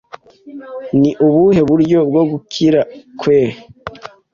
Ni ubuhe buryo bwo gukira kwe?